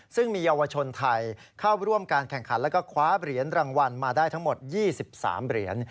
ซึ่งมีเยาวชนไทยเข้าร่วมการแข่งขันแล้วก็คว้าเหรียญรางวัลมาได้ทั้งหมด๒๓เหรียญ